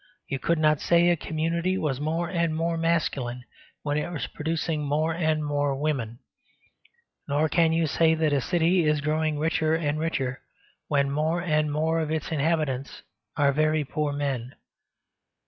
You could not say a community was more and more masculine when it was producing more and more women. Nor can you say that a city is growing richer and richer when more and more of its inhabitants are very poor men.